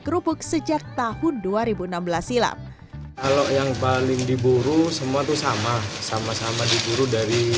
kerupuk sejak tahun dua ribu enam belas silam kalau yang paling diburu semua tuh sama sama sama diburu dari